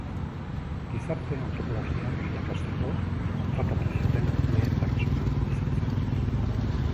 Gizarte Antropologia irakasteko kontratatu zuten lehen pertsona izan zen.